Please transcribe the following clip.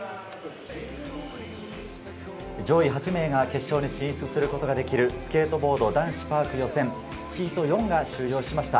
上位８名が決勝に進出することができるスケートボード男子パーク予選、ヒート４が終了しました。